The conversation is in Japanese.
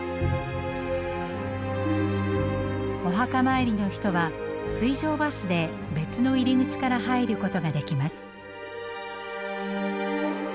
お墓参りの人は水上バスで別の入り口から入ることができます。